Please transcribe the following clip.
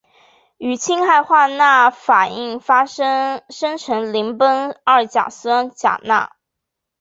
与氢氧化钠反应生成邻苯二甲酸钾钠。